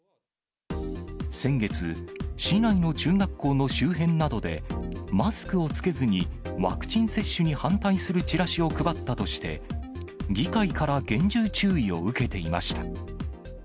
先月、市内の中学校の周辺などで、マスクを着けずにワクチン接種に反対するチラシを配ったとして、議会から厳重注意を受けていました。